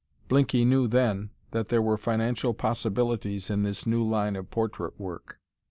Blinky knew then that there were financial possibilities in this new line of portrait work.